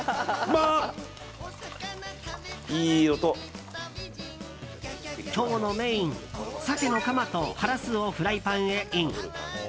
まあ、いい音！今日のメインサケのカマとハラスをフライパンへ、イン。